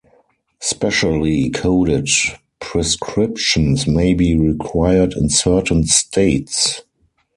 Specially coded prescriptions may be required in certain states.